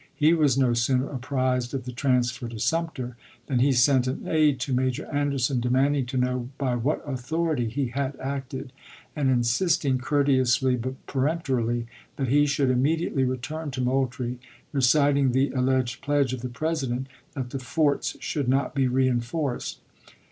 He was no sooner apprised of the transfer to Sumter than he sent an aide to Major Anderson demanding to know by what authority he had acted, and insisting, "courteously but peremptorily," that he should immediately return to Moultrie, reciting the al leged pledge of the President that the forts should not be reenforced.